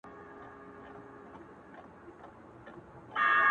ستا د ږغ څــپــه ، څـپه ،څپــه نـه ده~